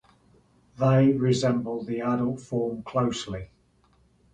They resemble the adult form closely.